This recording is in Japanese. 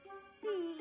うん！